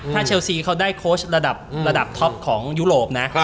ถ้าเชลซีเขาได้โค้ชระดับท็อปของยุโรปนะ